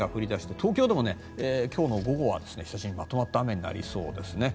東京でも今日の午後は久しぶりにまとまった雨になりそうですね。